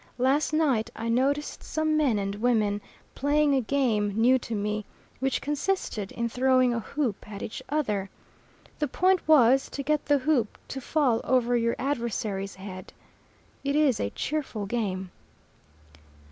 Last night I noticed some men and women playing a game new to me, which consisted in throwing a hoop at each other. The point was to get the hoop to fall over your adversary's head. It is a cheerful game.